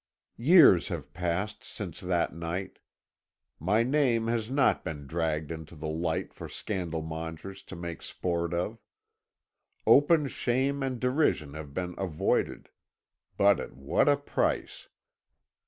"Years have passed since that night. My name has not been dragged into the light for scandal mongers to make sport of. Open shame and derision have been avoided but at what a price!